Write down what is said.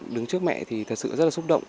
đứng trước mẹ thì thật sự rất là xúc động